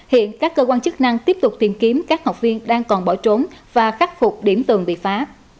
hiện các cơ quan chức năng tiếp tục tìm kiếm các học viên đang còn bỏ trốn và khắc phục điểm tường bị phá